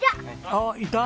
あっいた？